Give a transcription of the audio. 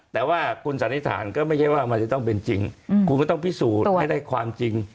แต่ว่าคุณสันนิษฐานก็ไม่ใช่ว่ามันจะต้องเป็นจริงคุณก็ต้องพิสูจน์ให้ได้ความจริง